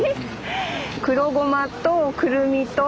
黒ごまとくるみと？